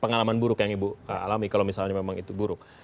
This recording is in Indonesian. pengalaman buruk yang ibu alami kalau misalnya memang itu buruk